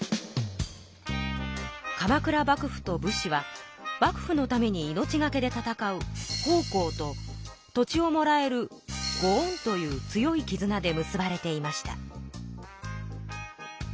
鎌倉幕府と武士は幕府のために命がけで戦う奉公と土地をもらえるご恩という強いきずなで結ばれていました。